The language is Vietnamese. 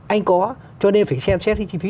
anh có cho nên phải xem xét cái chi phí